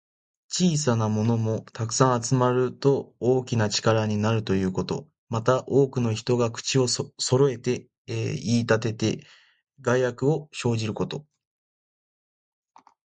小さなものも、たくさん集まると大きな力になるということ。また、多くの人が口をそろえて言いたてて、害悪を生じること。